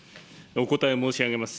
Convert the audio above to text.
お答え申し上げます。